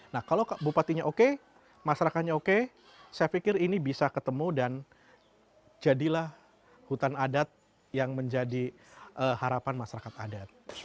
nah kalau bupatinya oke masyarakatnya oke saya pikir ini bisa ketemu dan jadilah hutan adat yang menjadi harapan masyarakat adat